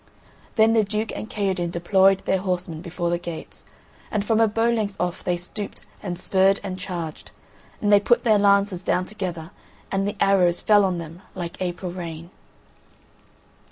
Then the Duke and Kaherdin deployed their horsemen before the gates, and from a bow length off they stooped, and spurred and charged, and they put their lances down together and the arrows fell on them like April rain.